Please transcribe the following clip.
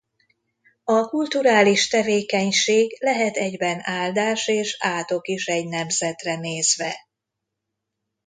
A kulturális tevékenység lehet egyben áldás és átok is egy nemzetre nézve.